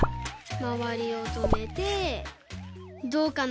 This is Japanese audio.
まわりをとめてどうかな？